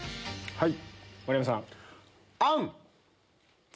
はい！